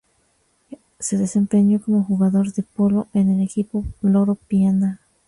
Se desempeñó como jugador de Polo en el equipo Loro Piana.